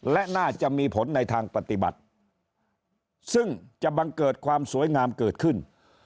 และน่าจะมีผลในทางปฏิบัติซึ่งจะบังเกิดความสวยงามเกิดขึ้น